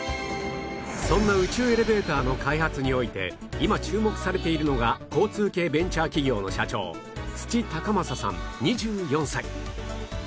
そんな宇宙エレベーターの開発において今注目されているのが交通系ベンチャー企業の社長須知高匡さん２４歳